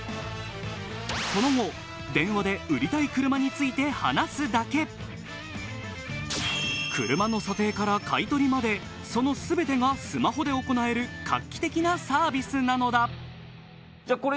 その後電話で売りたい車について話すだけ車の査定から買取までその全てがスマホで行える画期的なサービスなのだじゃ